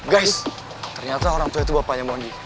guys ternyata orang tua itu bapaknya mondi